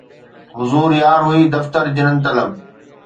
حضور يار هوئي دفتر جنن طلب